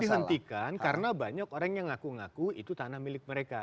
dihentikan karena banyak orang yang ngaku ngaku itu tanah milik mereka